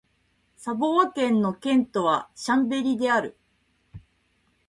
サヴォワ県の県都はシャンベリである